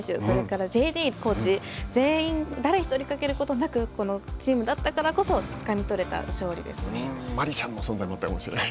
それからコーチ全員誰一人欠けることなくチームだったからこそつかみ取れた勝利ですね。